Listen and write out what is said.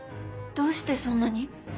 どうしてそんなに？